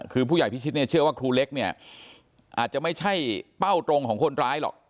คือผู้ใหญ่พิชิตเนี่ยเชื่อว่าครูเล็กเนี่ยอาจจะไม่ใช่เป้าตรงของคนร้ายหรอก